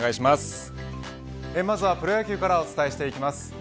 まずはプロ野球からお伝えします。